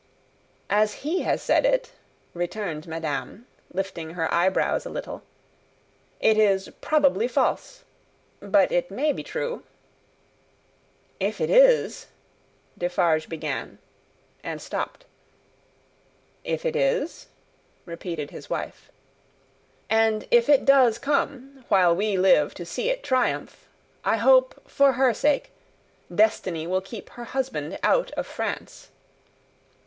"As he has said it," returned madame, lifting her eyebrows a little, "it is probably false. But it may be true." "If it is " Defarge began, and stopped. "If it is?" repeated his wife. " And if it does come, while we live to see it triumph I hope, for her sake, Destiny will keep her husband out of France."